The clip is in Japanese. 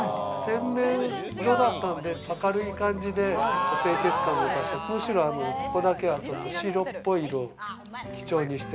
洗面所だったんで明るい感じで清潔感を出してむしろここだけは白っぽい色を基調にして。